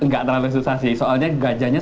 nggak terlalu susah sih soalnya gajahnya